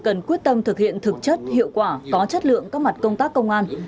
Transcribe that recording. cần quyết tâm thực hiện thực chất hiệu quả có chất lượng các mặt công tác công an